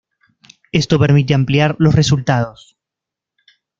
Esto permite ampliar los resultados.